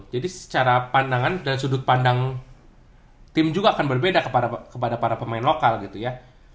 jadi secara pandangan dan sudut pandang tim juga akan berbeda kepada para pemain lokal gitu ya